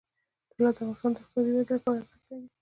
طلا د افغانستان د اقتصادي ودې لپاره ارزښت لري.